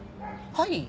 はい。